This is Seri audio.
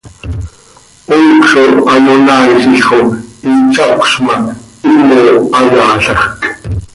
Honc zo hayonaaizil xo hin tzacöz ma, himo hayaalajc.